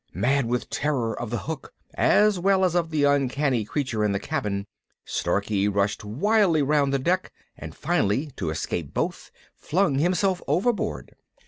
Mad with terror of the hook as well as of the uncanny creature in the cabin, Starkey rushed wildly round the deck, and finally, to escape both, flung himself overboard.